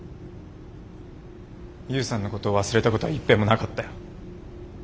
悠さんのことを忘れたことはいっぺんもなかったよ。